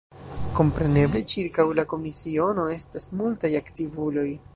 Kompreneble ĉirkaŭ la komisiono estas multaj aktivuloj.